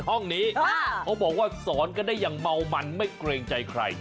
ห้องนี้เขาบอกว่าสอนกันได้อย่างเมามันไม่เกรงใจใคร